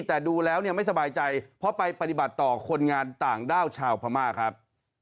แต่ดูแล้วเนี่ยไม่สบายใจเพราะไปปฏิบัติต่อคนงานต่างด้าวชาวพม่าครับ